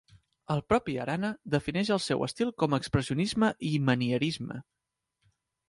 El propi Arana defineix el seu estil com a expressionisme i manierisme.